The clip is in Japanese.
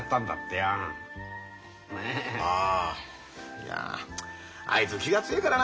いやあいつ気が強いからなあ。